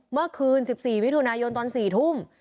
เมื่อคืน๑๔มิถุนายนตอน๔ทุ่ม